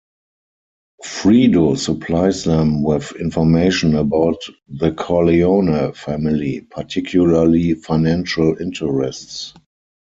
Fredo supplies them with information about the Corleone family, particularly financial interests.